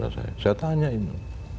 saya tanya itu